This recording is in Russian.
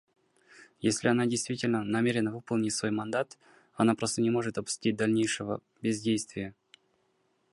Если она действительно намерена выполнить свой мандат, она просто не может допустить дальнейшего бездействия.